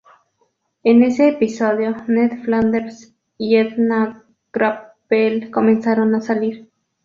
En ese episodio, Ned Flanders y Edna Krabappel comenzaron a salir.